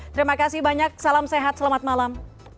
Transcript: terima kasih banyak salam sehat selamat malam